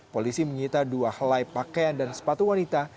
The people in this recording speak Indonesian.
polisi menyita dua helai pakaian dan sepatu wanita